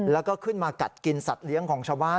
แล้วก็ขึ้นมากัดกินสัตว์เลี้ยงของชาวบ้าน